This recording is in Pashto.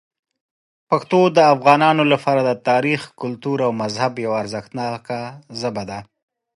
پښتو د افغانانو لپاره د تاریخ، کلتور او مذهب یوه ارزښتناک ژبه ده.